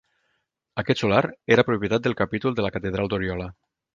Aquest solar, era propietat del Capítol de la Catedral d'Oriola.